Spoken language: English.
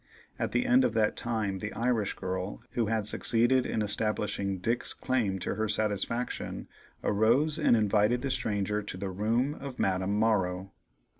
At the end of that time the Irish girl, who had succeeded in establishing "Dick's" claim to her satisfaction, arose and invited the stranger to the room of Madame Morrow.